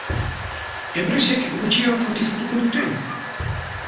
Enpresek gutxiago kotizatuko dute?